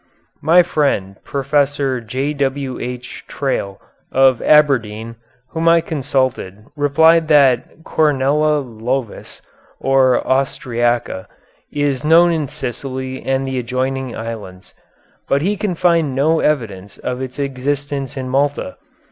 My friend, Prof. J.W.H. Trail, of Aberdeen, whom I consulted, replied that Coronella lævis or austriaca, is known in Sicily and the adjoining islands; but he can find no evidence of its existence in Malta.